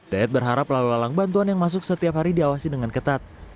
dayat berharap lalu lalang bantuan yang masuk setiap hari diawasi dengan ketat